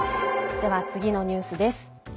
では、次のニュースです。